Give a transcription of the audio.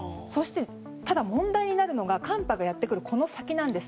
ただ、問題になるのが寒波がやってくるこの先です。